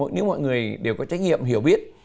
nếu mọi người đều có trách nhiệm hiểu biết